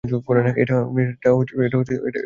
এটা কি করছ?